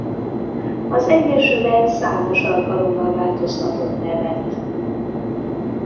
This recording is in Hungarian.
Az egyesület számos alkalommal változtatott nevet.